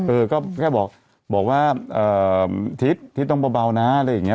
เออก็แค่บอกว่าทิศต้องเบานะอะไรอย่างนี้